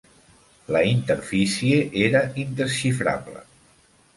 La interfície era indesxifrable.